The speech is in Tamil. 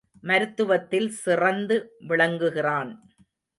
மருத்துவத்தில் சிறந்து விளங்குகிறான்.